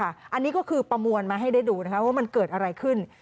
อันนี้ก็คือประมวลมาให้ได้ดูนะคะว่ามันเกิดอะไรขึ้น